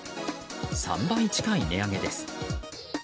３倍近い値上げです。